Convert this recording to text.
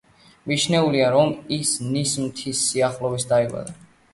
მიჩნეულია, რომ ის ნის მთის სიახლოვეს დაიბადა.